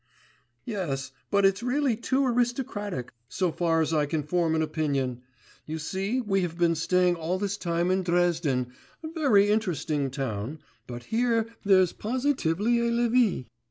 'Yes; but it's really too aristocratic, so far as I can form an opinion. You see we have been staying all this time in Dresden ... a very interesting town; but here there's positively a levée.